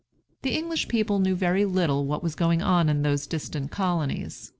The English people knew very little what was going on in those distant colonies.